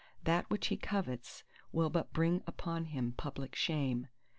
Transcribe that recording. That which he covets will but bring upon him public shame.